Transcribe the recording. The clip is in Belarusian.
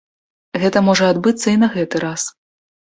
Гэта можа адбыцца і на гэты раз.